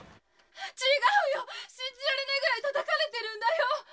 違うよ、信じられないくらいたたかれてるんだよ。